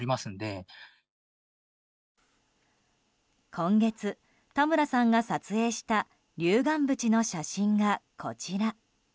今月、田村さんが撮影した龍巌淵の写真がこちら。